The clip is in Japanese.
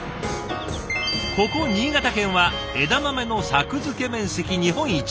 ここ新潟県は枝豆の作付面積日本一。